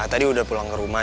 tadi udah pulang ke rumah